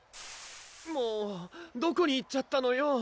もうどこに行っちゃったのよ！